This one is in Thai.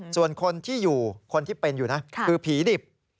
ส่วนคนที่เป็นอยู่คือผีดิบ